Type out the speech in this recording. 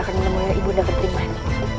saya akan menemui ibu nda ketrim mani